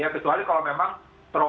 yang lebih besar misalnya